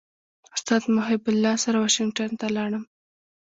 استاد محب الله سره واشنګټن ته ولاړم.